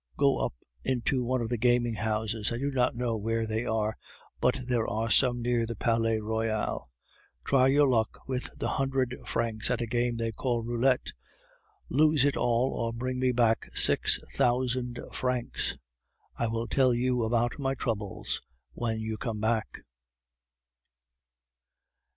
Go up into one of the gaming houses I do not know where they are, but there are some near the Palais Royal. Try your luck with the hundred francs at a game they call roulette; lose it all or bring me back six thousand francs. I will tell you about my troubles when you come back."